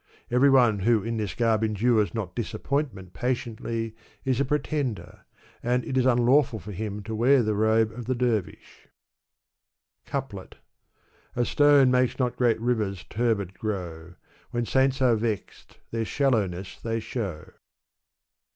Every one who in this garb endures not disappointment patiently is a pretender, and it ts unlawiiil for him to wear the robe of the dervish* Couplet A stone makes not great rivers turbid grow \ When saints are vexed their shallowness they show.